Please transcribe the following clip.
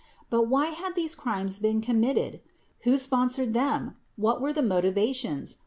But, why had these crimes been committed ?. Who sponsored them? What were the motivations?